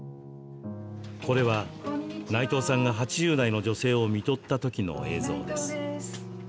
これは、内藤さんが８０代の女性をみとったときの映像です。